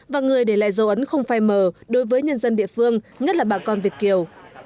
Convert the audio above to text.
và người để lại dấu ấn không phai mờ đối với nhân dân địa phương nhất là bà con việt kiều